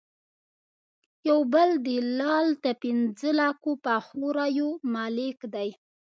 یو بل دلال د پنځه لکه پخو رایو مالک دی.